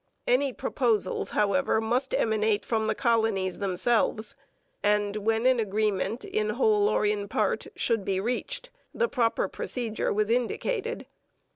Any proposals, however, must emanate from the colonies themselves; and, when an agreement in whole or in part should be reached, the proper procedure was indicated.